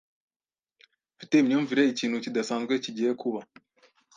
Mfite imyumvire ikintu kidasanzwe kigiye kuba.